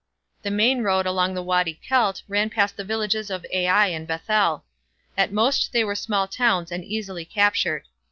The main road along the Wady Kelt ran past the villages of Ai and Bethel. At most they were small towns and easily captured.